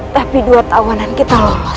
tapi dua tahunan kita loh